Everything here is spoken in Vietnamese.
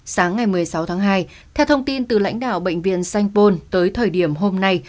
sáng ngày một mươi sáu tháng hai theo thông tin từ lãnh đạo bệnh viện sanh pôn tới thời điểm hôm nay